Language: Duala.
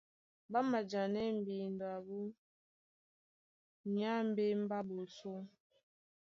Ɓá majanɛ́ mbindo abú nyá mbémbé á ɓosó.